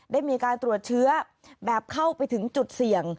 ได้มีการตรวจเชื้อแบบเข้าไปถึงจุดเสี่ยง